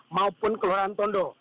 maupun kelurahan tondo